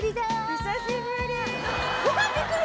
久しぶり。